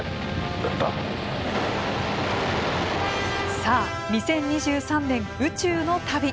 さあ、２０２３年、宇宙の旅。